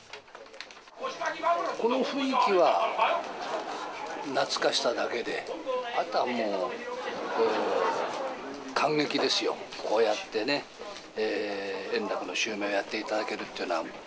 この雰囲気は懐かしさだけで、あとはもう、感激ですよ、こうやってね、円楽の襲名をやっていただけるっていうのは。